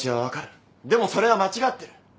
でもそれは間違ってる。